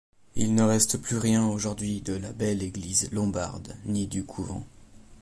Il ne reste plus rien aujourd'hui de la belle église lombarde ni du couvent.